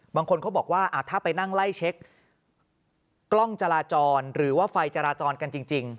บางคนเขาบอกว่าถ้าไปนั่งไล่เช็คกล้องจราจรหรือว่าไฟจราจรกันจริง